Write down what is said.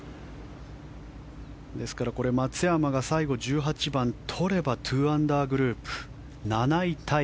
ですから、松山が最後、１８番を取れば２アンダーグループ７位タイ。